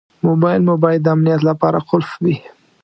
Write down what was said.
موبایل مو باید د امنیت لپاره قلف وي.